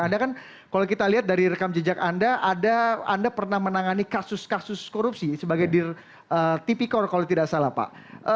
anda kan kalau kita lihat dari rekam jejak anda ada anda pernah menangani kasus kasus korupsi sebagai dir tipikor kalau tidak salah pak